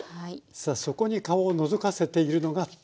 さあそこに顔をのぞかせているのがたくあん。